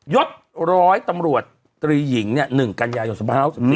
ยศร้อยตำรวจตรีหญิง๑กันยายน๒๕๖๒